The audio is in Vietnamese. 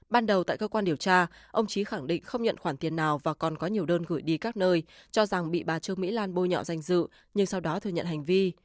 ban đầu tại cơ quan điều tra ông trí khẳng định không nhận khoản tiền nào và còn có nhiều đơn gửi đi các nơi cho rằng bị bà trương mỹ lan bôi nhọ danh dự nhưng sau đó thừa nhận hành vi